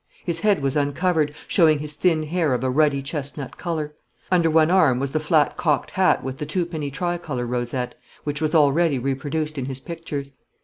His head was uncovered, showing his thin hair of a ruddy chestnut colour. Under one arm was the flat cocked hat with the twopenny tricolour rosette, which was already reproduced in his pictures.